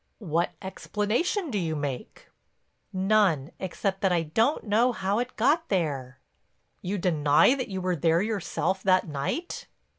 "What explanation do you make?" "None—except that I don't know how it got there." "You deny that you were there yourself that night?"